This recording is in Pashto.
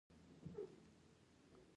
دا ډله په تاریخي توګه ځپل شوې ده.